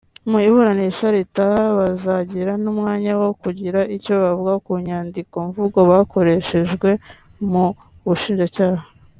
Mu iburanisha ritaha bazagira n’umwanya wo kugira icyo bavuga ku nyandikomvugo bakoreshejwe mu bushinjacyaha